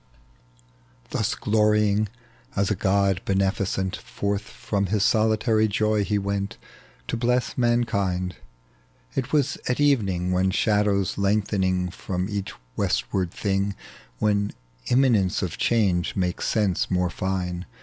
Thus glorying as a god beneficent, Forth from his solitary joy he went To bless mankind. It was at evening, When shadows lengthen from each westward thing, When imminence of change makes sense more iine.